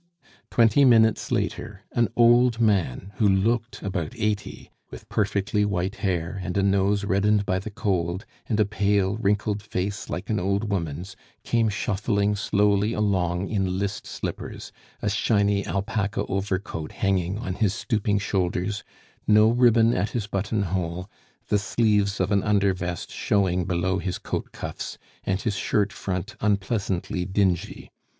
'" Twenty minutes later, an old man, who looked about eighty, with perfectly white hair, and a nose reddened by the cold, and a pale, wrinkled face like an old woman's, came shuffling slowly along in list slippers, a shiny alpaca overcoat hanging on his stooping shoulders, no ribbon at his buttonhole, the sleeves of an under vest showing below his coat cuffs, and his shirt front unpleasantly dingy.